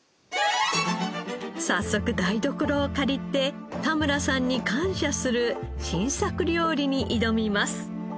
早速台所を借りて田村さんに感謝する新作料理に挑みます。